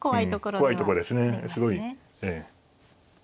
怖いとこですねすごい。